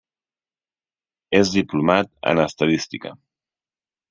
És diplomat en estadística.